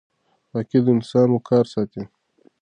پاکي د انسان وقار ساتي.